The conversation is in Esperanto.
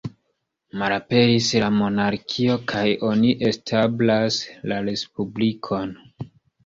Malaperis la monarkio kaj oni establas la Respublikon.